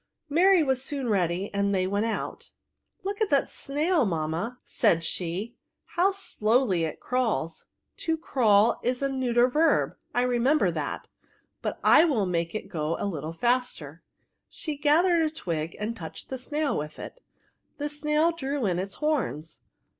Mary was soon ready, and they went out. " Look at that snail, mamma," said she^ '* how slowly it crawls ;— to crawl is a neuter verb, I remember that ; but I will make it go a little faster :" she gathered a twig, and touched the snail with it. The snail drew in its horns.